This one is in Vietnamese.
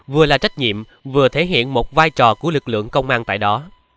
vừa là trách nhiệm vừa thể hiện một vai trò của lực lượng công an tại đó